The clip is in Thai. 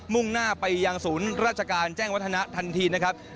่งหน้าไปยังศูนย์ราชการแจ้งวัฒนะทันทีนะครับ